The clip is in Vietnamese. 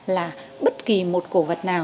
là bất kỳ một cổ vật nào